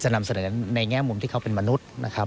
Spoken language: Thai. ในแง่มุมที่เขาเป็นมนุษย์นะครับ